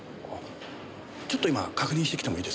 ちょっと今確認してきてもいいですか？